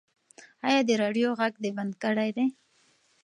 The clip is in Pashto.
ایا د راډیو غږ دې بند کړی دی؟